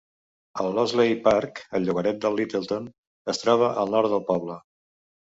El Loseley Park, al llogaret de Littleton, es troba al nord del poble.